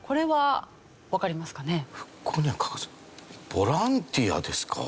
ボランティアですか？